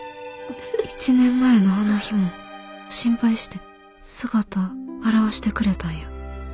１年前のあの日も心配して姿現してくれたんや。